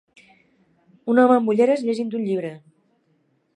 Un home amb ulleres llegint un llibre.